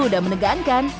seru dan menegangkan